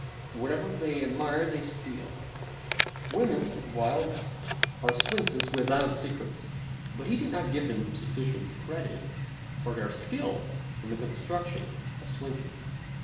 Wherever they admire, they steal. " Women," said Wilde, " are sphinxes without secrets." But he did not give them sufficient credit for their skill in the construction of sphinxes.